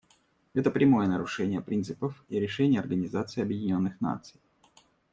Это прямое нарушение принципов и решений Организации Объединенных Наций.